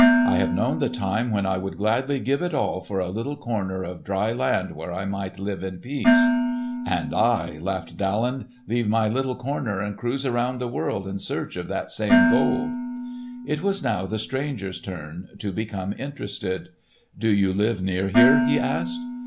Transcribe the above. "I have known the time when I would gladly give it all for a little corner of dry land where I might live in peace." "And I," laughed Daland, "leave my little corner and cruise around the world in search of that same gold." It was now the stranger's turn to become interested. "Do you live near here?" he asked.